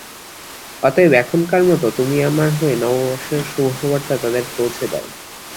অতএব এখনকার মত তুমি আমার হয়ে নববর্ষের শুভবার্তা তাদের পৌঁছে দাও।